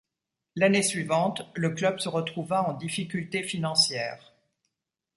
L’année suivante, le club se retrouva en difficultés financières.